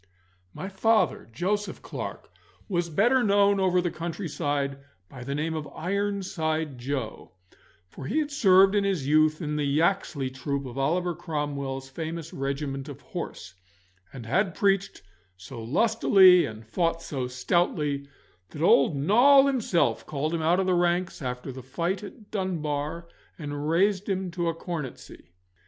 My father, Joseph Clarke, was better known over the countryside by the name of Ironside Joe, for he had served in his youth in the Yaxley troop of Oliver Cromwell's famous regiment of horse, and had preached so lustily and fought so stoutly that old Noll himself called him out of the ranks after the fight at Dunbar, and raised him to a cornetcy.